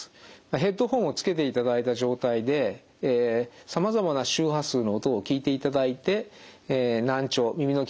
ヘッドホンをつけていただいた状態でさまざまな周波数の音を聞いていただいて難聴耳の聞こえの悪さがですね